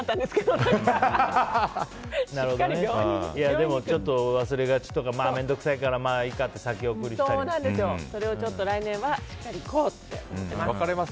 でもちょっと忘れがちとか面倒くさいからいいかってそれをちょっと来年はしっかり行こうって思ってます。